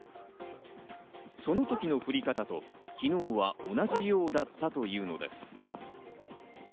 その時の降り方と昨日は同じようだったというのです。